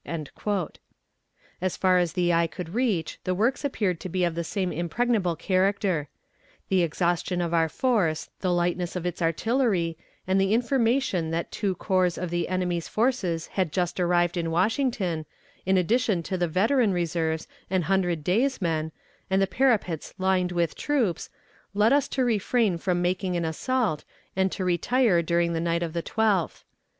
As far as the eye could reach, the works appeared to be of the same impregnable character. The exhaustion of our force, the lightness of its artillery, and the information that two corps of the enemy's forces had just arrived in Washington, in addition to the veteran reserves and hundred days men, and the parapets lined with troops, led us to refrain from making an assault, and to retire during the night of the 12th.